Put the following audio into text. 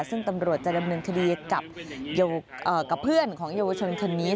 ซึ่งตำรวจจะดำเนินคดีกับเพื่อนของเยาวชนคนนี้